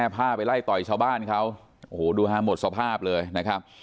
ผ้าไปไล่ต่อยชาวบ้านเขาโอ้โหดูฮะหมดสภาพเลยนะครับ